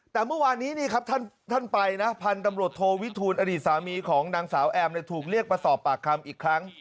แต่เมื่อวานี้นี่ครับท่านไปนะ